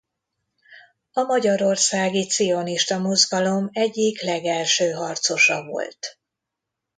A magyarországi cionista mozgalom egyik legelső harcosa volt.